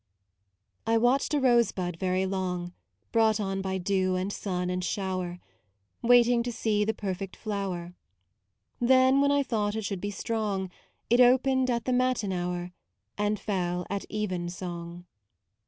'* I watched a rosebud very long Brought on by dew and sun and shower, Waiting to see the perfect flower: Then when I thought it should be strong, It opened at the matin hour And fell at evensong.